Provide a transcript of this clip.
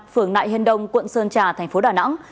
phường nại hiên đông quận sơn trà tp đà nẵng